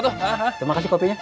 terima kasih kopinya